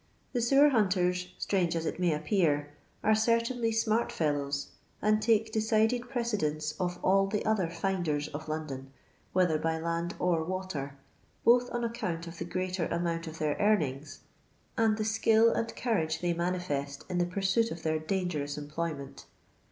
The sewer hunters, strange as it may appear, are certainly smart fellows, and take decided precedence of all the other " finders " of London, whether by land or water, both on account of the greater amount of their earnings, and the skill and courage they manifest in the pursuit of their dangerous cmplo^ ment.